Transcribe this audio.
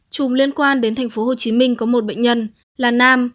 chùm liên quan đến thành phố hồ chí minh có một bệnh nhân là nam